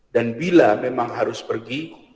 dan bila memang harus pergi